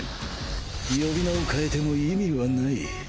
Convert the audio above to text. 呼び名を変えても意味はない。